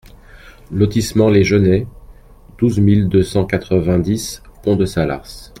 Lotissement les Genêts, douze mille deux cent quatre-vingt-dix Pont-de-Salars